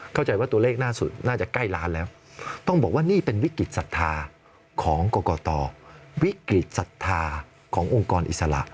เข้าใจว่าตัวเลขล่าสุดน่าจะใกล้ล้านแล้วต้องบอกว่านี่เป็นวิกฤตศรัทธาของกรกตวิกฤตศรัทธาขององค์กรอิสระ